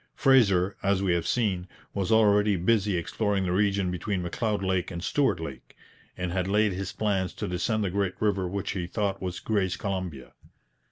Fraser, as we have seen, was already busy exploring the region between M'Leod Lake and Stuart Lake, and had laid his plans to descend the great river which he thought was Gray's Columbia.